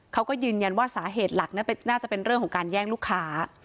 เขาก็ยืนยันว่าสาเหตุหลักน่าจะเป็นเรื่องของการแย่งลูกค้า